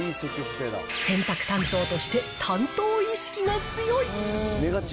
洗濯担当として、担当意識が強い。